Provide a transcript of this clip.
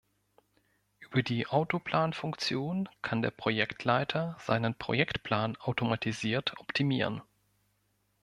Über die Autoplan-Funktion kann der Projektleiter seinen Projektplan automatisiert optimieren.